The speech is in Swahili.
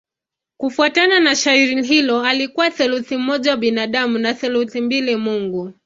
Kufuatana na shairi hilo alikuwa theluthi moja binadamu na theluthi mbili mungu.